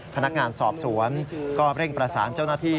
พนักงานสอบสวนก็เร่งประสานเจ้าหน้าที่